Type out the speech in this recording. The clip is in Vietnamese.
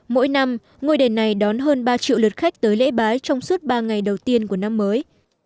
mỗi năm ngôi đền này đón hơn ba triệu lượt khách tới lễ bái trong suốt ba ngày đầu tiên của năm mới